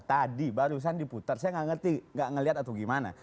tadi barusan diputar saya nggak ngerti nggak ngelihat atau gimana